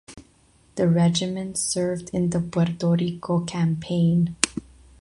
The regiment served in the Puerto Rico campaign.